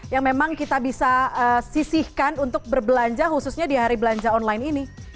yang memang kita bisa sisihkan untuk berbelanja khususnya di hari belanja online ini